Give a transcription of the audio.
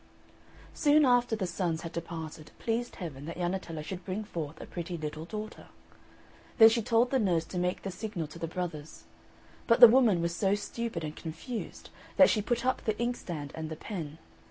Soon after the sons had departed it pleased Heaven that Jannetella should bring forth a pretty little daughter; then she told the nurse to make the signal to the brothers, but the woman was so stupid and confused that she put up the inkstand and the pen.